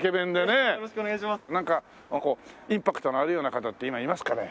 なんかこうインパクトのあるような方って今いますかね？